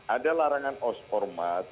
ada larangan ormas